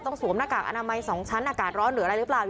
สวมหน้ากากอนามัย๒ชั้นอากาศร้อนหรืออะไรหรือเปล่า